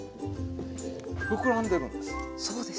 膨らんでるんです。